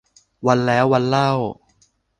วันแล้ววันเล่า